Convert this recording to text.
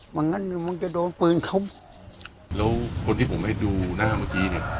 งั้นมึงจะโดนปืนเขาแล้วคนที่ผมให้ดูหน้าเมื่อกี้เนี่ย